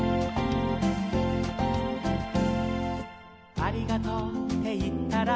「ありがとうっていったら」